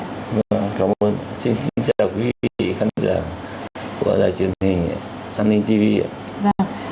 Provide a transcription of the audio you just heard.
cảm ơn xin chào quý vị khán giả của truyền hình an ninh tv ạ